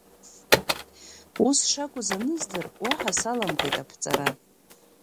Ус шакәыз, аныздыр, уаҳа саламгеит аԥҵара.